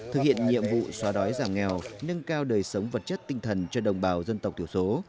thực hiện nhiệm vụ xóa đói giảm nghèo nâng cao đời sống vật chất tinh thần cho đồng bào dân tộc thiểu số